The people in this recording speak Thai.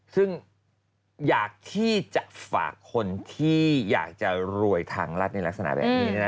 ซึ่งอยากที่จะฝากคนที่อยากจะรวยทางรัฐในลักษณะแบบนี้นะ